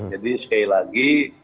jadi sekali lagi